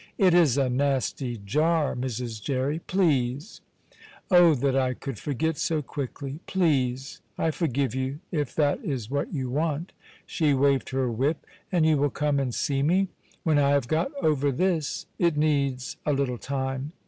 "It is a nasty jar, Mrs. Jerry." "Please!" "Oh that I could forget so quickly!" "Please!" "I forgive you, if that is what you want." She waved her whip. "And you will come and see me?" "When I have got over this. It needs a little time."